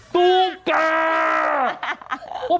ตุ๊กแก่